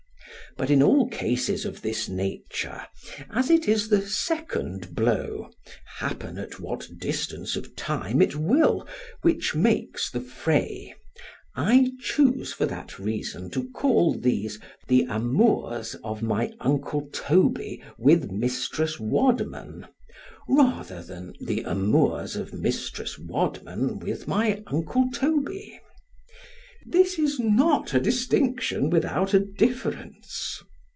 But in all cases of this nature, as it is the second blow, happen at what distance of time it will, which makes the fray——I chuse for that reason to call these the amours of my uncle Toby with Mrs. Wadman, rather than the amours of Mrs. Wadman with my uncle Toby. This is not a distinction without a difference.